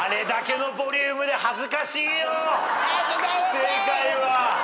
不正解は。